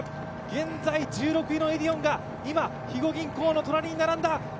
現在１６位のエディオンが、今、肥後銀行の隣に並んだ。